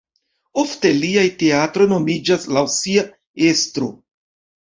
Ofte lia teatro nomiĝas laŭ sia estro.